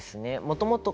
もともと。